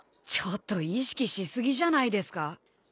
ちょっと意識し過ぎじゃないですか？